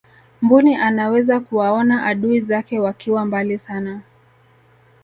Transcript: mbuni anaweza kuwaona adui zake wakiwa mbali sana